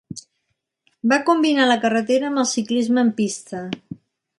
Va combinar la carretera amb el ciclisme en pista.